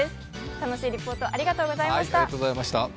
楽しいリポート、ありがとうございました。